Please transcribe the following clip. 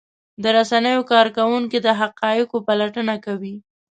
د رسنیو کارکوونکي د حقایقو پلټنه کوي.